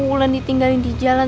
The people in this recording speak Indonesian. mulan ditinggalin di jalan